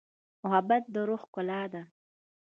محبت د روح ښکلا ده.